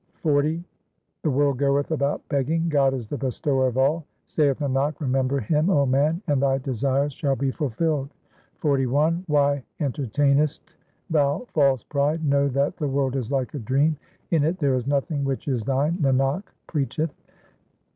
XL The world goeth about begging ; God is the Bestower of all ; Saith Nanak, remember Him, 0 man, and thy desires shall be fulfilled. XLI Why entertainest thou false pride ? Know that the world is like a dream ; In it there is nothing which is thine, Nanak preacheth.